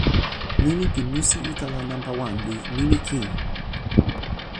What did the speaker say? nimi pi musi utala nanpa wan li "nimi kin".